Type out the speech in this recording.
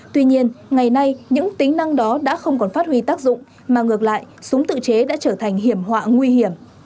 tuy nhiên ngày nay những tính năng đó đã không còn phát huy tác dụng mà ngược lại súng tự chế đã trở thành hiểm họa nguy hiểm